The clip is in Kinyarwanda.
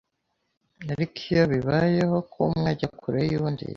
ariko iyo bibayeho ko umwe ajya kure y’undi